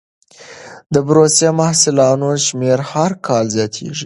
د بورسي محصلانو شمېر هر کال زیاتېږي.